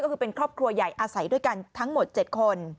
ก็คือเป็นครอบครัวใหญ่อาศัยด้วยกันทั้งหมด๗คน